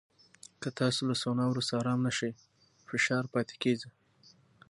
که تاسو له سونا وروسته ارام نه شئ، فشار پاتې کېږي.